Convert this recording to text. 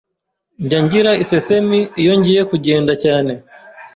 Njya ngira isesemi iyo ngiye kugenda cyane.